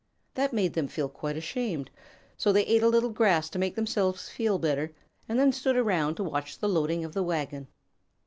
That made them feel quite ashamed, so they ate a little grass to make themselves feel better, and then stood around to watch the loading of the wagon.